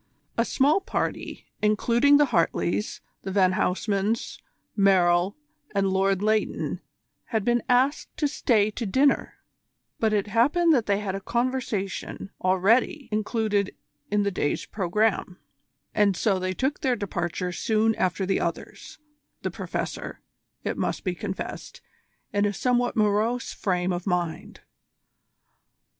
A small party, including the Hartleys, the Van Huysmans, Merrill, and Lord Leighton, had been asked to stay to dinner, but it happened that they had a conversazione already included in the day's programme, and so they took their departure soon after the others, the Professor, it must be confessed, in a somewhat morose frame of mind.